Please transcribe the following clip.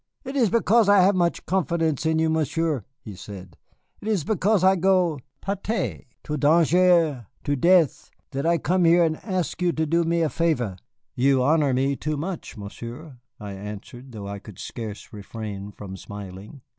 "It is because I have much confidence in you, Monsieur," he said, "it is because I go peut être to dangere, to death, that I come here and ask you to do me a favor." "You honor me too much, Monsieur," I answered, though I could scarce refrain from smiling.